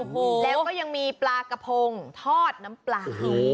โอ้โหแล้วก็ยังมีปลากระพงทอดน้ำปลา